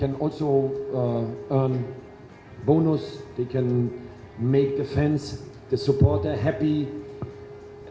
mereka juga bisa menjana bonus mereka bisa membuat fans dan penonton bahagia